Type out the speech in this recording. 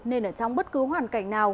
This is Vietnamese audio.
nên ở trong bất cứ hoàn cảnh nào